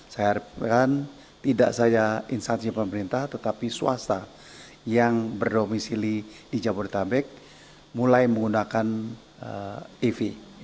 saya harapkan tidak saja instansi pemerintah tetapi swasta yang berdomisili di jabodetabek mulai menggunakan ev